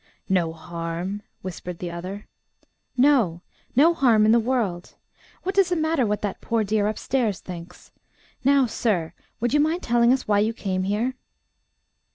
"No harm!" whispered the other. "No no harm in the world. What does it matter what that poor dear upstairs thinks? Now, sir, would you mind telling us why you came here?"